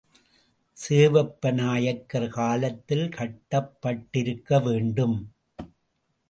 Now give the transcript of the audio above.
சேவப்ப நாயக்கர் காலத்தில் கட்டப் பட்டிருக்க வேண்டும்.